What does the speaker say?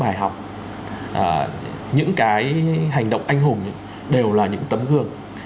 bài học những cái hành động anh hùng đều là những tấm gương